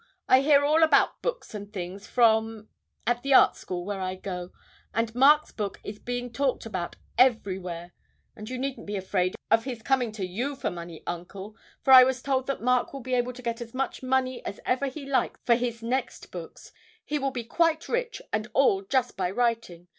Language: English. I hear all about books and things from at the Art School where I go, and Mark's book is being talked about everywhere! And you needn't be afraid of his coming to you for money, Uncle, for I was told that Mark will be able to get as much money as ever he likes for his next books; he will be quite rich, and all just by writing!